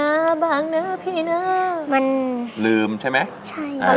อย่าให้คอยเกินนะพี่อย่าให้สวยเกิน